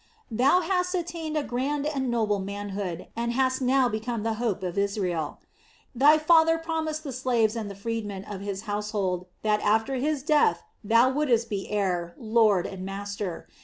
"Thou hast attained a grand and noble manhood, and hast now become the hope of Israel. Thy father promised the slaves and freedmen of his household that after his death, thou wouldst be heir, lord and master.